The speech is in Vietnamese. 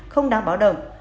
không đáng báo động